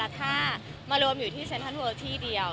ถ้ามารวมอยู่ที่เซ็นทรัลเวิลที่เดียว